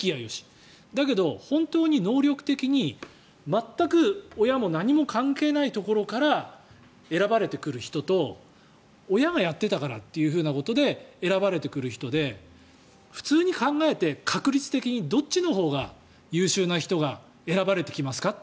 でも、本当に能力的に全く親も何も関係ないところから選ばれてくる人と親がやっていたからと選ばれてくる人で普通に考えて確率的にどっちのほうが優秀な人が選ばれてきますか？